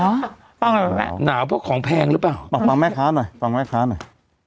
ฟังแล้วหนาวเพราะของแพงหรือเปล่ามาฟังแม่ค้าหน่อยฟังแม่ค้าหน่อย